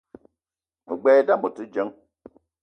Me gbelé idam ote djeng